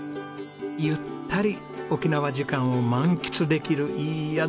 ゆったり沖縄時間を満喫できるいい宿です。